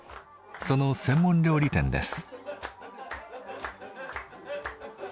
その専門料理店です。